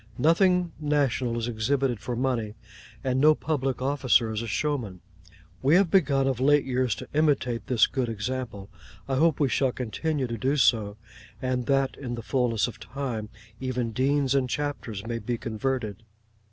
Nothing national is exhibited for money; and no public officer is a showman. We have begun of late years to imitate this good example. I hope we shall continue to do so; and that in the fulness of time, even deans and chapters may be converted.